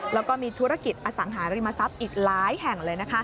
แล้วก็มีธุรกิจอสังหาริมทรัพย์อีกหลายแห่งเลย